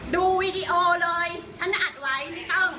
ดูวีดีโอเลยฉันอัดไว้ที่กล้อง